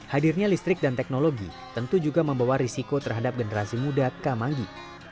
hadirnya listrik dan teknologi tentu juga membawa risiko terhadap generasi muda kamanggi